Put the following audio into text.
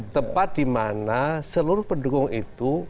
tempat di mana seluruh pendukung itu